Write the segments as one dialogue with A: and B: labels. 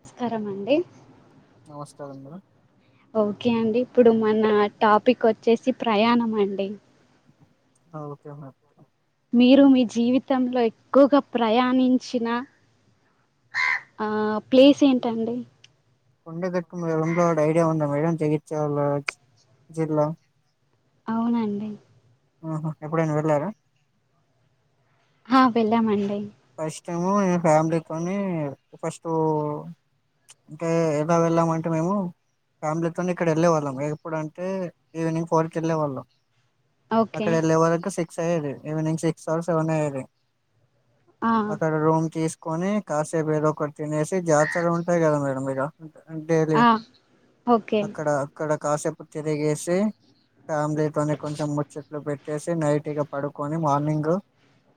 A: నమస్కారం అండి
B: నమస్కారం మేడం
A: ఓకే అండి ఇప్పుడు మన టాపిక్ వచ్చేసి ప్రయాణం అండి
B: ఆ ఓకే మ్యామ్
A: మీరు మీ జీవితంలో ఎక్కువగా ప్రయాణించిన ఆ ప్లేస్ ఏంటండి
B: కొండ కట్లంలోడ ఐడియా ఉంద మేడం జగిత్యాల జిల్లా
A: అవునండి
B: ఆహ ఎప్పుడైనా వెళ్ళారా
A: హ వెళ్ళామండి
B: ఫస్ట్ టైము ఫ్యామిలీతోని ఫస్ట్ అంటే ఎలా వెళ్ళామంటే మేము ఫ్యామిలీతో ఇక్కడ వెళ్ళేవాళ్ళం ఎప్పుడంటే ఈవినింగ్ ఫోర్కి వెళ్ళేవాళ్ళం
A: ఓకే
B: అక్కడ వెళ్ళే వరకు సిక్స్ అయ్యేది ఈవినింగ్ సిక్స్ ఆర్ సెవెన్ అయ్యేది
A: ఆ
B: అక్కడ రూమ్ తీసుకొని కాసేపు ఏదో ఒకటి తినేసి జాతర ఉంటాయి కదా మేడం ఇడ ఉంటయి లే
A: ఆ ఓకే
B: అక్కడ అక్కడ కాసేపు తిరిగేసి ఫ్యామిలీతోనీ కొంచం ముచ్చట్లు పెట్టి సి నైట్గా పడుకొని మార్నింగ్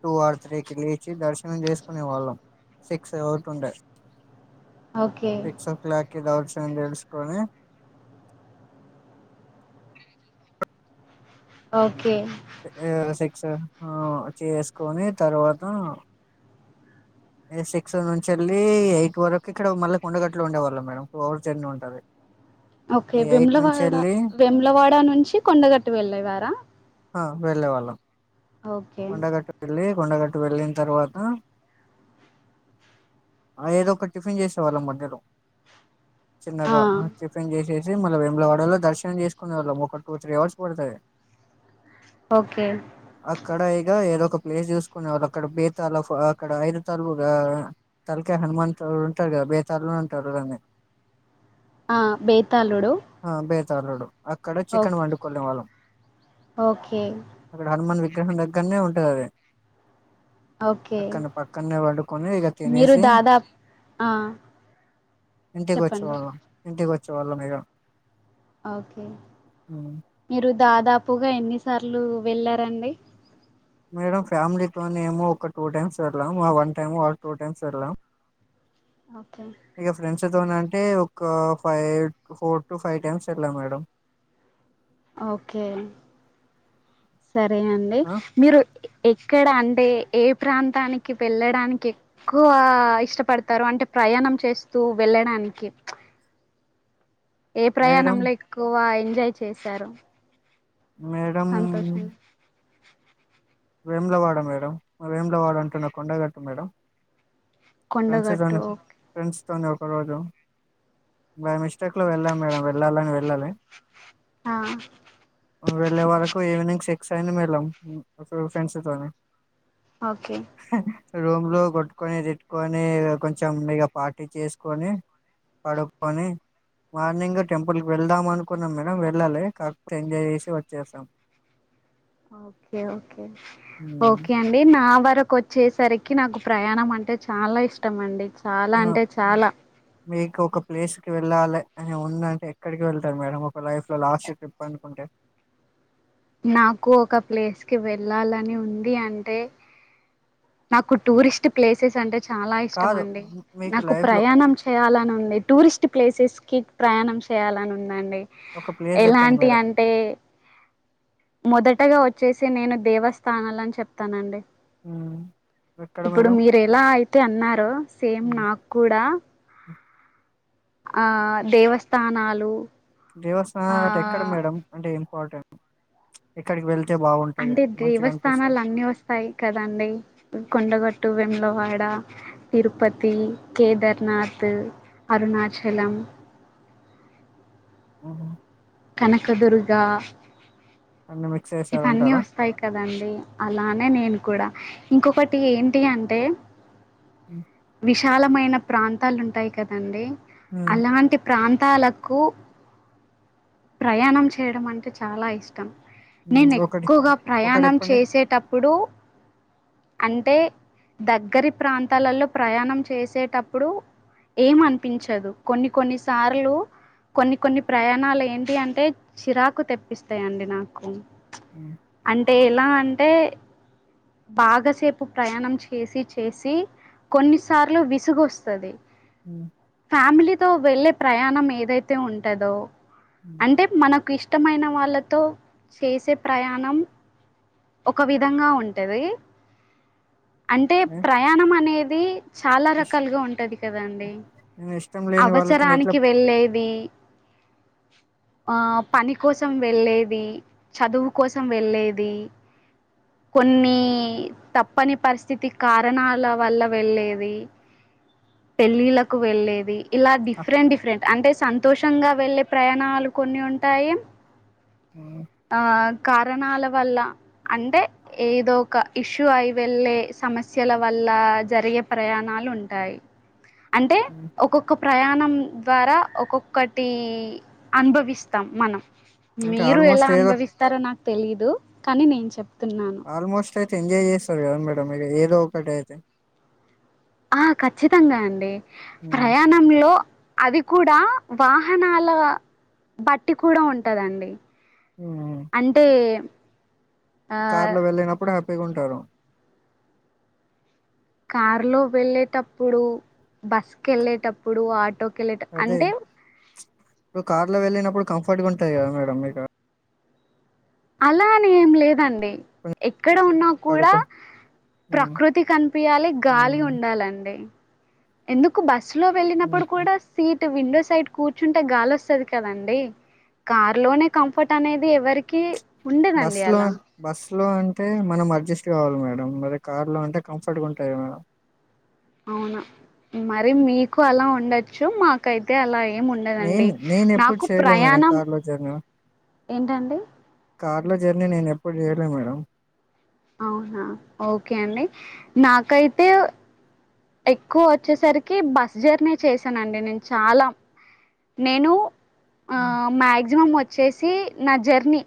B: టూ ఆర్ త్రీ కిళ్ వచ్చి దర్శనం చేసుకునే వాళ్ళం సిక్స్ అవుతూ ఉండే
A: ఓకే
B: సిక్స్ ఓ క్లాక్కి దర్శనము చేసుకుని
A: ఓకే
B: ఆ సిక్స్ ఆ చేసుకొని తర్వాత సిక్స్ నుంచి వెళ్ళి ఎయిట్ వరకు ఇక్కడ మళ్ళీ కొండగట్లో ఉండేవాళ్ళం మేడం టూ అవర్స్ జర్నీ ఉంటది
A: ఓకే
B: ఎయిట్ నుంచి
A: విములవాడ
B: వెళ్ళి
A: వేములవాడ నుంచి కొండగట్టు వెళ్ళేవారా
B: ఆ వెళ్ళే వాళ్ళం
A: ఓకే
B: కొండగట్టు వెళ్ళి కొండగట్టు వెళ్ళిన తర్వాత ఆ ఏదో ఒక టిఫిన్ చేసేవాళ్ళ మధ్యలో
A: ఆ
B: చిన్నగా టిఫిన్ చేసేసి మళ్ళ వెమ్మలవాడలో దర్శనం చేసుకునే వాళ్ళ ఒక టూ త్రీ అవర్స్ పడుతది
A: ఓకే
B: అక్కడ ఇగ ఏదో ఒక ప్లేస్ చూసుకునే వాళ్ళు అక్కడ బేతాళ అక్కడ ఐదు తల్ తలక హనుమంత ఉంటారు కదా బేతాళు ఉంటారు
A: ఆ బేతాళుడు
B: తల్లడు అక్కడ
A: ఓ
B: చికెన్ వండుకొనే వాళ్ళం
A: ఓకే
B: అక్కడ హనుమాన్ విగ్రహం దగ్గరనే ఉంటది అది
A: ఓకే
B: పక్కన పక్కనే పడుకొని ఇక
A: మీరు
B: తినేసి
A: దాదాపు ఆ
B: ఇంటికి వచ్చే
A: చెప్పండి
B: వాళ్ళం ఇంటికి వచ్చే వాళ్ళం మీగ
A: ఓకే మీరు దాదాపుగా ఎన్నిసార్లు వెళ్ళారండి
B: మేడం ఫ్యామిలీతోనేమో ఒక టూ టైమ్స్ వెళ్ళాం ఆ వన్ టైమ్ వాళ టూ టైమ్స్ వెళ్ళాం
A: ఓకే
B: ఇక ఫ్రెండ్స్ అంటే తోనాకె ఒక five four to five times వెళ్ళా మేడం
A: ఓకే సరే అండి
B: ఆ
A: మీరు ఎక్కడ అంటే ఏ ప్రాంతానికి వెళ్ళడానికి ఎక్కువ ఇష్టపడతారు అంటే ప్రయాణం చేస్తూ వెళ్ళడానికి ఏ
B: మేడం
A: ప్రయాణంలో ఎక్కువ ఎంజాయ్ చేశారు
B: మేడమ్
A: అ
B: వేములవాడ మేడం మా వేములవాడ అంటున్న కొండగట్టు మేడం
A: కొండగట్టు ఓకే
B: తుంది ఒక రోజు బై మిస్టేక్ లో వెళ్ళాం మేడం వెళ్ళాలని వెళ్ళాలి
A: ఓకే
B: వెళ్ళే వాల్లకు ఈవినింగ్ సిక్స్ అయింది మేల్లం ఫ్రెండ్స్ తోని
A: ఓకె
B: రూమ్ లో కొట్టుకొని తిట్టుకొని ఇగ కొంచెం మీగ పార్టీ చేసుకొని పడుక్కొని మార్నింగ్ టెంపుల్కి వెళ్దాం అనుకున్నాం గాని వెళ్ళలె కాకపోతే ఎంజాయ్ చేసి వచ్చేసాం
A: ఒకె
B: ఉమ్.
A: ఓకే అండి నా వర క్ వచ్చేసరికి నాకు ప్రయాణం అంటే చాలా ఇష్టం అండి చాలా అంటే చాలా
B: ఇక ఒక ప్లేస్ కి వెళ్ళాలి అని ఉందంటే ఎక్కడికి వెళ్తారు మేడం ఒక లైఫ్ లో లాస్ట్ ట్రిప్ అనుకుంటే
A: నాకు ఒక ప్లేస్ కి వెళ్ళాలని ఉంది అంటే నాకు టూరిస్ట్ ప్లేసెస్ అంటే చాలా ఇష్టం
B: కాదు
A: అండి
B: మీకు
A: నాకు
B: లైఫ్ లో
A: ప్రయాణం చేయాల నుండె టూరిస్ట్ ప్లేసెస్ కి ప్రయాణం చేయాలని ఉందండి
B: ఒక ప్లేస్ చెప్పండి
A: ఎలాంటి
B: మేడం
A: అంటే మొదటగా వచ్చేసి నేను దేవస్థానాలని చెప్తానండి
B: మ్
A: ఇప్పుడు మీరెలా అయితే అన్నారో సేమ్
B: హ్మ్.
A: నాకు కూడ ఆ దేవస్థానాలు
B: దేవస్థానలె అంటే ఎక్కడ
A: ఆ
B: మేడం అంటే ఇంపార్టెంట్ ఎక్కడికి వెళ్
A: అంటే దేవస్థానాలన్నిీ వస్తాయి కదండి కొండగొట్టు అటు వెంలవాడ తిరుపతి కేదార్నాథ్ అరుణాచలం
B: ఊహు
A: కనకదుర్గా
B: అన్ని మిక్స్
A: ఇవన్నీ
B: చేసారంటారా
A: వస్తాయి కదండీ అలానే నేను కూడ ఇంకొకటి ఏంటి అంటే
B: ఉ
A: విశాలమైన ప్రాంతాలుంటాయి కదండి అలాంటి ప్రాంత తాలకు ప్రయాణం చేయడం అంటే చాలా ఇష్టం నేను
B: ఒకటి
A: ఎక్కువగా
B: ఒకటి
A: ప్రయాణం
B: చెప్పండి
A: చేసేటప్పుడు అంటే దగ్గరి ప్రాంతాలలో ప్రయాణం చేసేటప్పుడు ఏం అనిపించదు కొన్ని కొన్ని సార్లు కొన్ని కొన్ని ప్రయాణాలు ఏంటి అంటే చిరాకు తెప్పిస్తాయండి నాకు
B: హ్మ్.
A: అంటే ఎలా అం బాగసేపు ప్రయాణం చేసి చేసి కొన్నిసార్లు విసుగొస్తది
B: హ్
A: ఫ్యామిలీతో వెళ్ళే ప్రయాణం ఏదైతే ఉంటదో
B: హ్మ్.
A: అంటే మనకు ఇష్ ఇష్టమైన వాళ్ళతో చేసే ప్రయాణం ఒక విధంగా ఉంటది. అంటే
B: ఏ
A: ప్రయాణం అనేది చాలా
B: ఇష్
A: రకాలుగా ఉంటది కదండి.
B: నేను ఇష్టం లేని వాళ్ళతో ఎట్లా
A: అవసరానికి వెళ్లేది ఆ పని కోసం వెళ్ళేది, చదువు కోసం వెళ్ళేది. కొన్నీ తప్పని పరిస్థితి కారణాల వల్ల వెళ్ళేవి. పెళ్ళిళ్ళకు వెళ్ళేవి. ఇలా
B: ఆ!
A: డిఫరెంట్ డిఫరెంట్ అంటే సంతోషంగా వెళ్ళే ప్రయాణాలు కొన్ని ఉంటాయి.
B: ఆ
A: ఆ కారణాల వల్లా అంటే ఏదో ఒక ఇష్యూ అయి వెళ్ళే సమస్యల వల్ల జరిగే ప్రయాణాలు ఉంటాయి. అంటే
B: హ్మ్.
A: ఒకొక ప్రయాణం ద్వారా ఒక్కొక్కటి అనుభవిస్తాం మనం.
B: అంటే
A: మీరు ఎలా
B: ఆల్మోస్ట్ ఏదో
A: అనుభవిస్తారో నాకు తెలీదు కానీ నేను చెప్తున్నాను.
B: తేఎంజాయ్ చేస్తారు కదా మేడం మీరు ఏదో ఒకటి అయితే.
A: ఆ ఖచ్చితంగా అండి. ప్రయాణంలో అది కూడా వాహనాల బట్టి కూడా ఉంటదండి. అంటే ఆ
B: కార్లో వెళ్ళినప్పుడు హ్యాపీగా ఉంటారు.
A: కార్లో వెళ్ళేటప్పుడు, బస్ కెళ్ళేటప్పుడు, ఆటో
B: అదే ఇప్పుడు కార్లో వెళ్ళినప్పుడు కంఫర్ట్గా ఉంటది కదా మేడం మీకు.
A: అలా అని ఏం లేదండి
B: కొంచెం
A: ఎక్కడ ఉన్నా కూడా
B: పడుకో
A: ప్రకృతి కనిపియాలి, గాలి ఉండాలండి. ఎందుకు బస్సులో వెళ్ళినప్పుడు కూడా సీటు విండో సైడ్ కూర్చుంటే గాలి వస్తది కదండి. కారు లోనే కంఫర్ట్ అనేది ఎవరికి ఉండదండి అలా.
B: స్సులో అంటే మనం అడ్జస్ట్ కావాలి మేడం, మరి కార్లో అంటే కంఫర్ట్గా ఉంటది మేడం.
A: అవునా మరి మీకు అలా ఉండచ్చు మాకైతే అలా ఏం ఉండదండి.
B: నేను నేను ఎప్పుడు
A: నాకు
B: చేయలే మేడం
A: ప్రయాణం
B: కార్ లో
A: ఏంటండి
B: కార్లో జర్నీ నేను ఎప్పుడు చేయలే మేడం.
A: అవునా ఓకే అండి నాకైతే ఎక్కువ వచ్చేసరికి బస్ జర్నీ చేశానండి నేను చాలా. నేను ఆ మ్యాక్సిమం వ చ్చేసి నా జర్నీ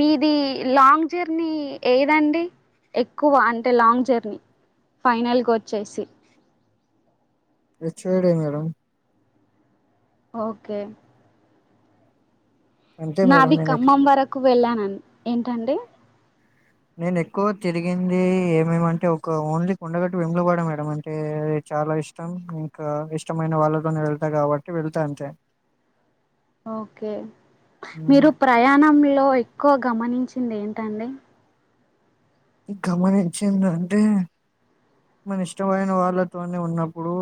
A: మీది లాంగ్ జర్నీ ఏదండి. ఎక్కువ అంటే లాంగ్ జర్నీ ఫైనల్గా వచ్చేసి.
B: హెచ్చోడి మేడం.
A: ఓకే
B: అంతే మేడం
A: నాది
B: నేను
A: ఖమ్మం వరకు వెళ్ళానని ఏంటండి.
B: నేను ఎక్కువ తిరిగింది ఏమేమంటే ఒక ఓన్లీ కొండగట్టు, వేములవాడ మేడం అంటే చాలా ఇష్టం ఇంకా ఇష్టమైన వాళ్ళతోనే వెళ్తా కాబట్టి వెళ్తా అంతే.
A: ఓకే మీరు ప్రయాణంలో ఒక్కువ గమనించింది ఏంటండి?
B: గమనించింది అంటే మన ఇష్టమైన వాళ్ళతోనే ఉన్నప్పుడు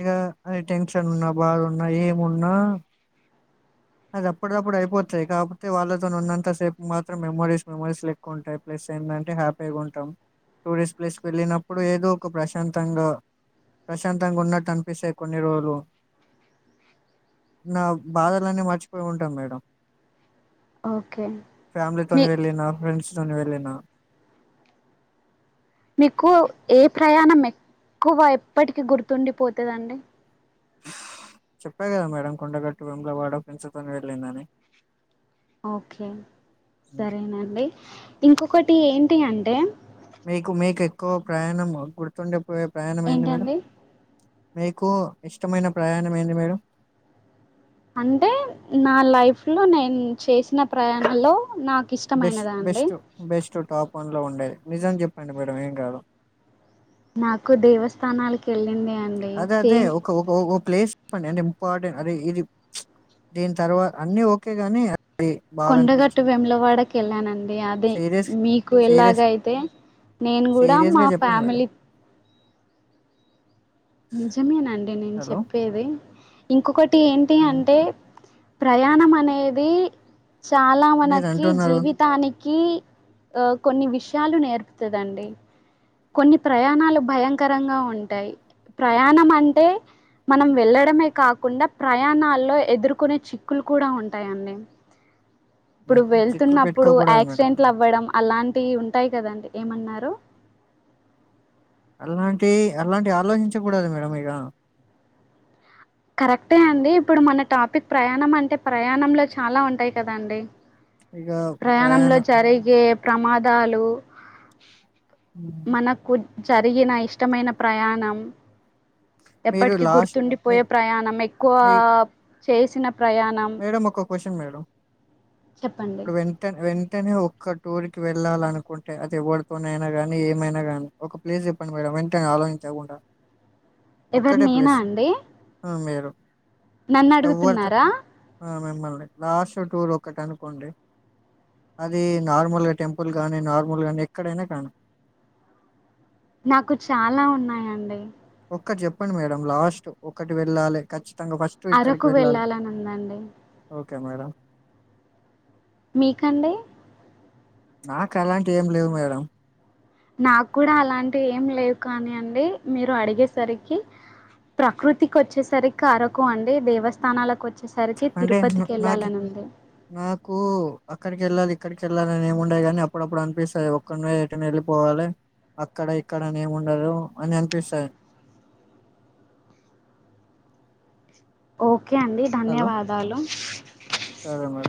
B: ఇగ అది టెన్షన్ ఉన్నా బాధన్నా ఏమున్నా అది అప్పుడప్పుడు అయిపోతాయి కాకపోతే వాళ్ళతో ఉన్నంత సేపు మాత్రం మెమరీస్ మెమరీస్ ఎక్కువ ఉంటాయి ప్లస్ స్ ఎందంటే హ్యాపీగా ఉంటాం టూరిస్ట్ ప్లేస్ కు వెళ్ళినప్పుడు ఏదో ఒక ప్రశాంతంగా ప్రశాంతంగా ఉన్నట్టు అనిపిస్తయి కొన్ని రోజులు నా బాధలన్నీ మర్చిపోయి ఉంటాం మేడం
A: ఓకే మీ
B: ఫ్యామిలీతోని వెళ్ళిన ఫ్రెండ్స్ తోని వెళ్ళినా
A: మీకు ఏ ప్రయాణం ఎక్కువ ఎప్పటికి గుర్తుండి పోతది అండి
B: చెప్పా కదా మేడం కొండగట్టు వెముల వాడ ఫ్రెండ్స్ తోని వెళ్ళిందని
A: ఓకే సరేనండి ఇంకొకటి ఏంటి అంటే
B: మీకు మీకు ఎక్కువ ప్రయాణం గుర్తుండిపోయే ప్రయాణం ఏంది మేడం
A: ఏంటండి
B: మీకు ఇష్టమైన ప్రయాణం ఏంది మేడం
A: అంటే నా లైఫ్ లో నేను చేసిన ప్రయాణంలో నాకు
B: బెస్ట్
A: ఇష్టమైనదా అండి
B: బెస్ట్ బెస్ట్ టాప్ ఫోన్ లో ఉండేది నిజం చెప్పండి మేడం ఏం కాదు
A: నాకు దేవస్థానాలకు వెళ్ళింది అండి
B: అదే అదే
A: సేమ్
B: ఒక ఒక ఓ ఓ ప్లేస్ చెప్పండి అంటే ఇంపార్టెంట్ అదే ఇది దీని తర్వాత అన్ని ఓకే గాని అది బాగా
A: కొండగట్టు
B: అనిపించింది
A: వెములవాడకి వెళ్ళానండి యాది
B: సీరియస్
A: మీకు ఎలాగ
B: సీరియస్
A: అయితే నేను కూడా
B: సీరియస్
A: మా
B: గా చెప్పండి మేడం
A: ఫ్యామిలీ నిజమేనండి నేను
B: హలో
A: చెప్పేది ఇంకొకటి ఏంటి అంటే ప్రయాణం అనేది చాలా
B: మీరు
A: మనకి
B: అంటున్నారు
A: జీవితానికి కి కొన్ని విషయాలు నేర్పుతది అండి కొన్ని ప్రయాణాలు భయంకరంగా ఉంటాయి ప్రయాణం అంటే మనం వెళ్ళడమే కాకుండా ప్రయాణాల్లో ఎదుర్కొనే చిక్కులు కూడా ఉంటాయండి ఇప్పుడు
B: చిక్కులు
A: వెళ్తున్నప్పుడు
B: పెట్టుకోకూడదు మేడం
A: యాక్సిడెంట్లు అవ్వడం అలాంటివి ఉంటాయి కదండి ఏమన్నారు
B: అలాంటి అలాంటి ఆలోచించకూడదు మేడం ఇగ
A: కరెక్టే అండి ఇప్పుడు మన టాపిక్ ప్రయాణం అంటే ప్రయాణంలో చాలా ఉంటాయి కదాండి.
B: ఇక
A: ప్రయాణంలో
B: ప్రయాణం
A: జరిగే ప్రమాదాలు
B: హ్మ్.
A: మనకు జరిగిన ఇష్టమైన ప్రయాణం
B: మీరు
A: ఎప్పటికి
B: లాస్ట్ మీ
A: గుర్తుండిపోయే ప్రయాణం ఎక్కువ
B: మీ
A: చేసిన ప్రయాణం
B: మేడం ఒక క్వశ్చన్ మేడం
A: చెప్పండి.
B: నువ్వు ఎంత నువ్వు ఎన్ అంటేనే ఒక్క టూర్ కి వెళ్ళాలనుకుంటే అది ఎవరితోన అయిన కాని ఏమైనా గానీ ఒక ప్లేస్ చెప్పండి మేడం వెంటనే ఆలోచించకుండా
A: ఎవరు
B: ఒక్కటే
A: నేనా
B: ప్లీస్
A: అండి
B: మీరు
A: నన్ను
B: ఎవరితో
A: అడుగుతున్నారా
B: ఆ మిమ్మల్ని లాస్ట్ టూర్ ఒకటి అనుకోండి అది నార్మల్గా టెంపుల్ గానీ నార్మల్ గాని ఎక్కడైనా కానీ
A: నాకు చాలా ఉన్నాయండి
B: ఒక్కటి చెప్పండి మేడం లాస్ట్ ఒకటి వెళ్ళాలి ఖచ్చ తంగా ఫస్ట్ ఇక్కడికి
A: అరకు
B: వెళ్ళాలి
A: వెళ్ళాలని ఉందండి
B: ఓకే మేడం
A: మీకండి
B: నాకు అలాంటివి ఏం లేవ్ మేడం
A: నాకు గుడా అలాంటి ఏం లేవు కాని అండి, మీరు అడిగేసరికి ప్రకృతికి వచ్చేసరికి అరకు అండి, దేవస్థానాలకు వచ్
B: అంటే నక్ నాకి నాకు అక్కడికి ఎళ్ళాలి. ఎక్కడికెళ్ళాలని ఏమి ఉండది గనీ అప్పుడప్పుడు అనిపిస్తది ఒక్కనీవే ను ఎటన్న ఎళ్ళిపోవాలె. అక్కడ ఇక్కడ అని ఏం ఉండదు అని అనిపిస్తది.
A: ఓకే అండి
B: హలో
A: ధన్యవాదాలు.
B: సరే మేడం